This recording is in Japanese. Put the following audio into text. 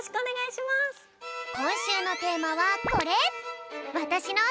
こんしゅうのテーマはこれ。